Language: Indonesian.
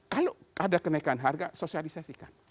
kalau ada kenaikan harga sosialisasikan